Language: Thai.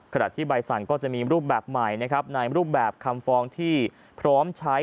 ขณะที่ใบสั่งก็จะมีรูปแบบใหม่นะครับในรูปแบบคำฟ้องที่พร้อมใช้